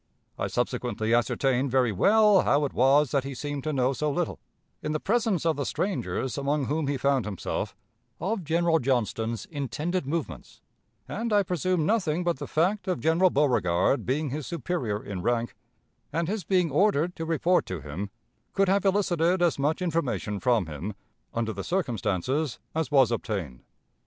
I subsequently ascertained very well how it was that he seemed to know so little, in the presence of the strangers among whom he found himself, of General Johnston's intended movements, and I presume nothing but the fact of General Beauregard being his superior in rank, and his being ordered to report to him, could have elicited as much information from him, under the circumstances, as was obtained.